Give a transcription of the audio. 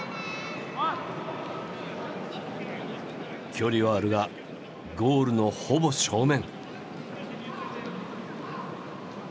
距離はあるがゴールのほぼ正面。